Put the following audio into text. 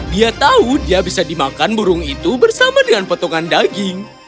dia tahu dia bisa dimakan burung itu bersama dengan potongan daging